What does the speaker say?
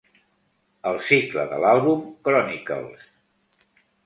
El cicle de l'àlbum "Chronicles".